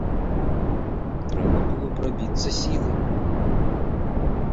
Трэба было прабіцца сілай.